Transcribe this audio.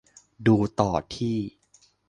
ดูต่อที่